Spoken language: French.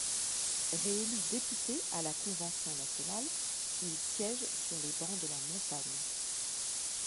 Réélu député à la Convention nationale, il siège sur les bancs de la Montagne.